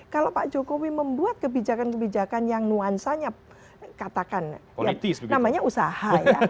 kalau pak jokowi membuat kebijakan kebijakan yang nuansanya katakan ya namanya usaha ya